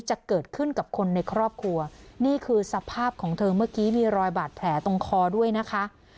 จะเกิดขึ้นกับคนในครอบครัวนี่คือสภาพของเธอเมื่อกี้มีรอยบาดแผลตรงคอด้วยนะคะ